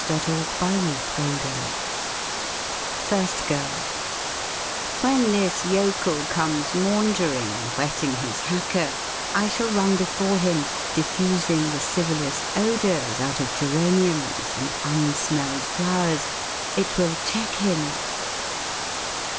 urlappend=%3Bseq=l 15 FIRST GIRL When this yokel comes maundering Whetting his hacker, I shall run before him. Diffusing the civilest odors Out of geraniums and unsmelled flowers. It will check him.